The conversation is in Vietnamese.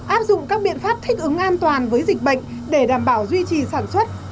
áp dụng các biện pháp thích ứng an toàn với dịch bệnh để đảm bảo duy trì sản xuất